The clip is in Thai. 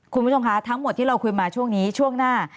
คุณผู้ชมคะทั้งหมดที่เราคุยมาช่วงนี้ช่วงหน้า